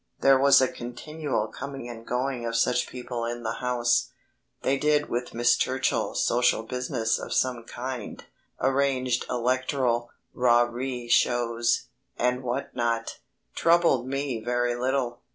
There was a continual coming and going of such people in the house; they did with Miss Churchill social business of some kind, arranged electoral rarée shows, and what not; troubled me very little.